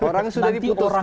orangnya sudah diputuskan